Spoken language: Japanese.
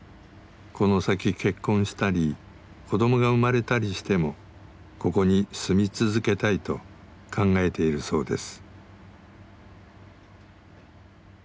この先結婚したり子どもが生まれたりしてもここに住み続けたいと考えているそうです。